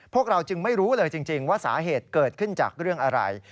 พวกเราจึงไม่รู้เลยจริงว่าสาเหตุเกิดขึ้นจากเรื่องอะไร